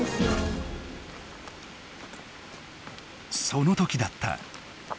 その時だった。